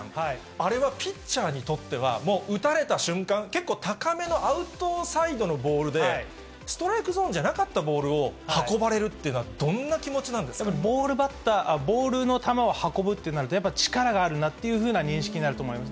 あれはピッチャーにとっては、もう打たれた瞬間、結構高めのアウトサイドのボールで、ストライクゾーンじゃなかったボールを運ばれるっていうのは、ボールの球を運ぶってなると、やっぱり力があるなという認識になると思います。